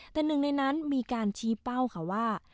แต่หนึ่งในนั้นมีการชี้เป้าค่ะว่า